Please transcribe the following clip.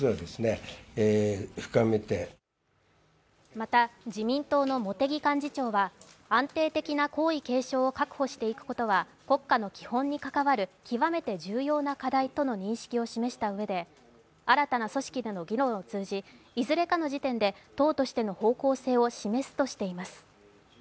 また、自民党の茂木幹事長は安定的な皇位継承を確保していくことは国家の基本に関わる極めて重要な課題との認識を示したうえで新たな組織での議論を通じ、いずれかの時点で党としての方向性を示すとしています。